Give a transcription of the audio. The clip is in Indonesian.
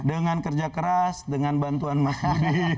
dengan kerja keras dengan bantuan mas budi